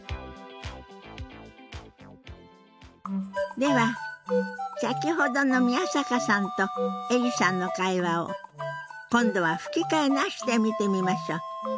では先ほどの宮坂さんとエリさんの会話を今度は吹き替えなしで見てみましょう。